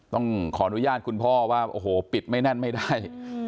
ต้องขออนุญาตคุณพ่อว่าโอ้โหปิดไม่แน่นไม่ได้